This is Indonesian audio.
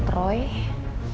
aku juga sempet nemuin dompet roy